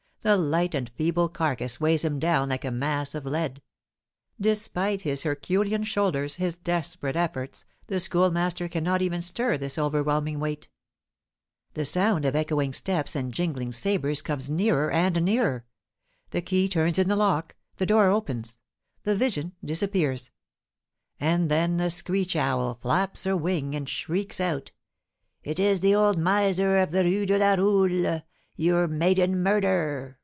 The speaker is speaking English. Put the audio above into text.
The light and feeble carcass weighs him down like a mass of lead. Despite his herculean shoulders, his desperate efforts, the Schoolmaster cannot even stir this overwhelming weight. The sound of echoing steps and jingling sabres comes nearer and nearer. The key turns in the lock, the door opens. The vision disappears. And then the screech owl flaps her wing, and shrieks out: "It is the old miser of the Rue de la Roule. Your maiden murder!